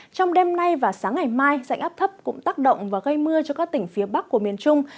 trong đêm nay và sáng ngày mai rãnh áp thấp cũng tác động và gây mưa cho các tỉnh phía bắc của miền trung